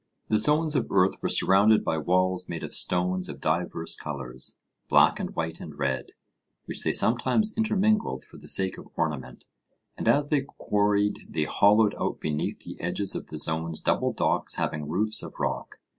The zones of earth were surrounded by walls made of stone of divers colours, black and white and red, which they sometimes intermingled for the sake of ornament; and as they quarried they hollowed out beneath the edges of the zones double docks having roofs of rock.